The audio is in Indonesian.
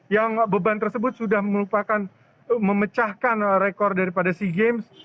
yang beban tersebut sudah melupakan memecahkan rekor daripada sea games